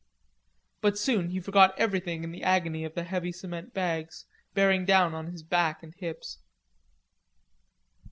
But soon he forgot everything in the agony of the heavy cement bags bearing down on his back and hips.